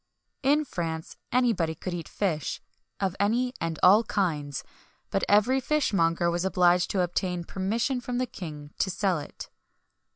In France, anybody could eat fish, of any and all kinds; but every fishmonger was obliged to obtain permission from the king to sell it.